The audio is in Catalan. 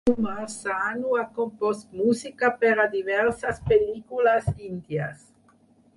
Kumar Sanu ha compost música per a diverses pel·lícules índies.